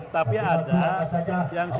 yang piyara bergilir itu setahun sekali